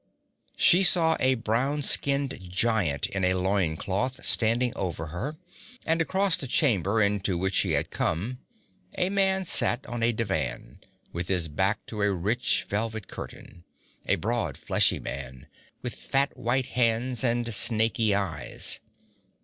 She saw a brown skinned giant in a loin cloth standing over her, and, across the chamber into which she had come, a man sat on a divan, with his back to a rich velvet curtain, a broad, fleshy man, with fat white hands and snaky eyes.